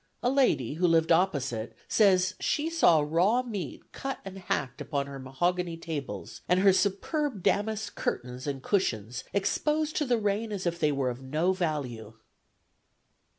A lady, who lived opposite, says she saw raw meat cut and hacked upon her mahogany tables, and her superb damask curtains and cushions exposed to the rain, as if they were of no value.